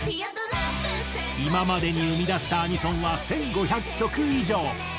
今までに生み出したアニソンは１５００曲以上！